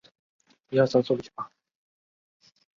嘧啶是胞嘧啶和胸腺嘧啶。